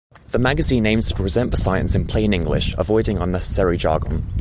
The magazine aims to present the science in plain English, avoiding unnecessary jargon.